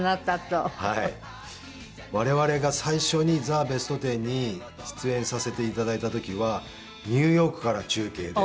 我々が最初に『ザ・ベストテン』に出演させて頂いた時はニューヨークから中継で。